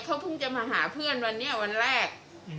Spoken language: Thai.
เขาเพิ่งจะมาหาเพื่อนวันนี้วันแรก